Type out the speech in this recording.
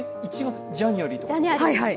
ジャニュアリーとか？